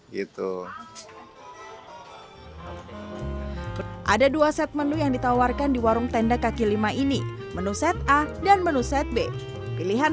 gitu ada dua set menu yang ditawarkan di warung tenda kaki lima ini menu set a dan menu set b pilihan